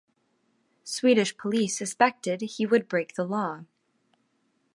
Swedish police suspected he would break the law.